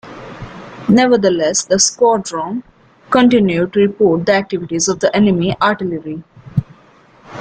Nevertheless, the squadron continued to report the activities of enemy artillery.